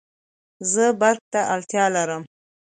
زه برق ته اړتیا لرم